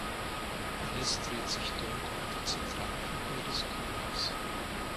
Alles dreht sich dort um die Zentralfigur des Königs.